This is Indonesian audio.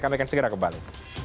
kami akan segera kembali